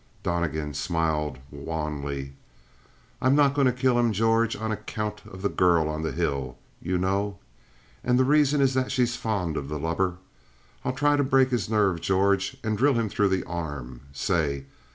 Donnegan smiled wanly. "I'm not going to kill him, George, on account of the girl on the hill. You know? And the reason is that she's fond of the lubber. I'll try to break his nerve, George, and drill him through the arm, say.